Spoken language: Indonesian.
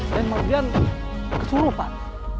den mardian kesurupan